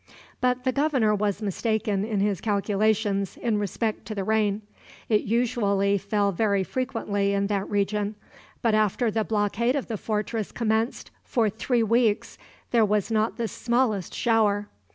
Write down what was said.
But the governor was mistaken in his calculations in respect to the rain. It usually fell very frequently in that region, but after the blockade of the fortress commenced, for three weeks there was not the smallest shower.